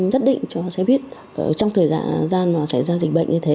nhất định cho xe buýt trong thời gian xảy ra dịch bệnh như thế